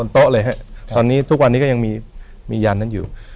ตอนนี้ทุกวันนี้ก็ยังมียานนั้นอยู่